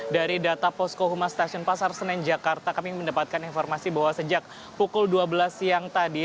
dari data posko humas stasiun pasar senen jakarta kami mendapatkan informasi bahwa sejak pukul dua belas siang tadi